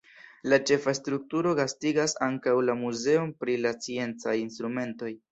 La ĉefa strukturo gastigas ankaŭ la muzeon pri la sciencaj instrumentoj.